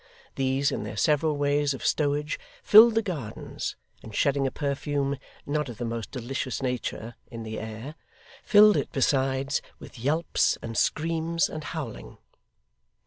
These, in their several ways of stowage, filled the gardens; and shedding a perfume, not of the most delicious nature, in the air, filled it besides with yelps, and screams, and howling.